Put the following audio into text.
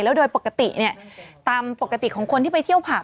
โดยปกติเนี่ยตามปกติของคนที่ไปเที่ยวผัก